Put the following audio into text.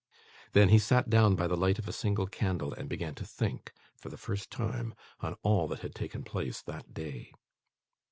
Then, he sat down by the light of a single candle, and began to think, for the first time, on all that had taken place that day.